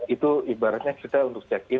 itu ibaratnya kita untuk check in